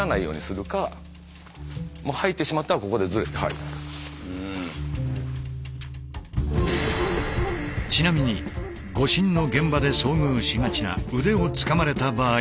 とにかくちなみに護身の現場で遭遇しがちな腕をつかまれた場合